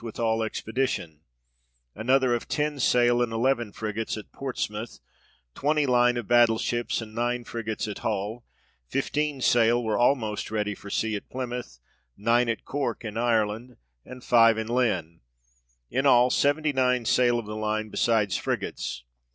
65 with all expedition ; another of ten sail, and eleven frigates, at Portsmouth ; twenty line of battle ships, and nine frigates, at Hull ; fifteen sail were almost ready for sea at Plymouth ; nine at Cork in Ireland, and five at Lynn ; in all, seventy nine sail of the line, besides frigates.